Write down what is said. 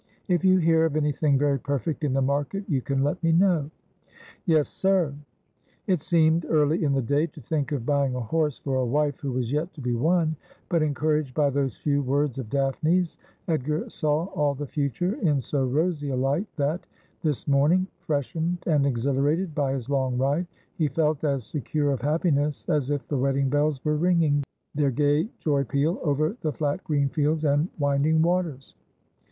' If you hear of anything very perfect in the market you can let me know.' ' Yes, sir.' It seemed early in the day to think of buying a horse for a wife who was yet to be won ; but, encouraged by those few words of Daphne's, Edgar saw all the future in so rosy a light that, this morning, freshened and exhilarated by his long ride, he felt as secure of happiness as if the wedding bells were ring ing their gay joy peal over the flat green fields and winding waters.